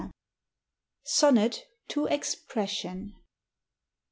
SONNET, To EXPRESSION.